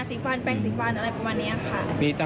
แล้วก็มีแบบนี้เนาะ